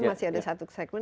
masih ada satu segmen